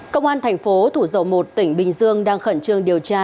công an thành phố thủ dầu một tỉnh bình dương đang khẩn trương điều tra